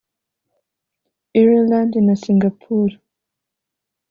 Ireland na Singapore